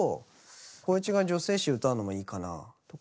光一が女性詞歌うのもいいかなとか。